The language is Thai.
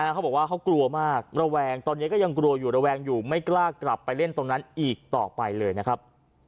เขาบอกว่าเขากลัวมากระแวงตอนนี้ก็ยังกลัวอยู่ระแวงอยู่ไม่กล้ากลับไปเล่นตรงนั้นอีกต่อไปเลยนะครับ